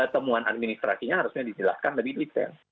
temuan administrasinya harusnya dijelaskan lebih detail